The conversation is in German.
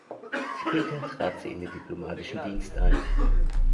Später trat sie in den diplomatischen Dienst ein.